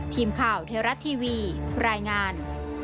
ทีมข่าวเทวรัฐทีวีรายงาน